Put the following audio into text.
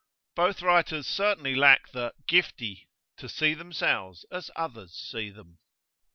Both writers certainly lack the "giftie" to see themselves as others see them.